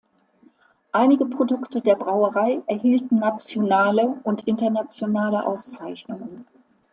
Einige Produkte der Brauerei erhielten nationale und internationale Auszeichnungen.